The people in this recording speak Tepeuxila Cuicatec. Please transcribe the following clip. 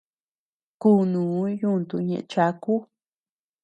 Kunuu yuntu ñëʼe chaku.